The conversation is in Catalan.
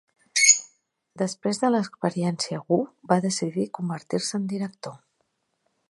Després de l'experiència Wu va decidir convertir-se en director.